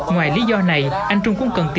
ngoài lý do này anh trung cũng cần tìm